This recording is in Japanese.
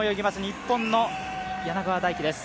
日本の柳川大樹です。